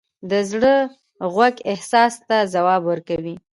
د زړه غوږ احساس ته ځواب ورکوي.